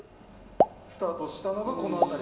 スタートしたのがこのあたり？